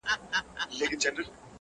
د سیند پر غاړه به زنګیږي ونه،